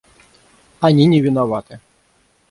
Они не виноваты.